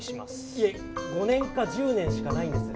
いえ５年か１０年しかないんです。